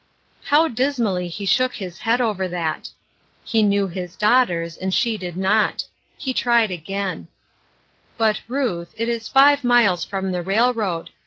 How dismallv he shook his head over that! Duty's Burden, 269 He knew his daughters, and she did not. He tried again : "But, Ruth, it is five miles from the railroad.